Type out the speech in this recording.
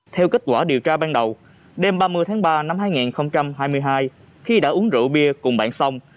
theo kết quả điều tra ban đầu đêm ba mươi tháng ba năm hai nghìn hai mươi hai khi đã uống rượu bia cùng bạn xong